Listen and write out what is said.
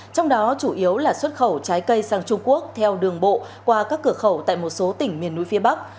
trong đó chủ yếu là xuất khẩu trái cây sang trung quốc theo đường bộ qua các cửa khẩu tại một số tỉnh miền núi phía bắc